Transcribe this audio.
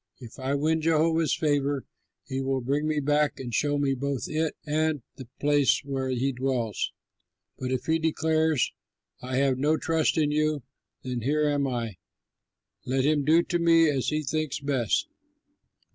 If I win Jehovah's favor, he will bring me back and show me both it and the place where he dwells. But if he declares, 'I have no trust in you, then here am I, let him do to me as he thinks best.'"